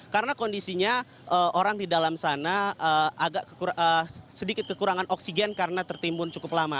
karena kondisinya orang di dalam sana sedikit kekurangan oksigen karena tertimbun cukup lama